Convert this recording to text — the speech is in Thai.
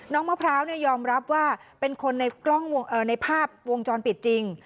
มะพร้าวยอมรับว่าเป็นคนในภาพวงจรปิดจริง